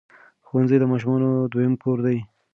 ښوونځي د ماشومانو دویم کور دی.